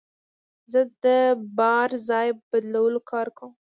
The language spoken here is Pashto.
زه د بار ځای بدلولو کار کوم.